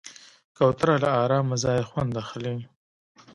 کوتره له آرامه ځایه خوند اخلي.